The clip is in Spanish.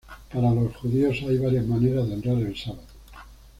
Para los judíos, hay varias maneras de honrar el sabbat.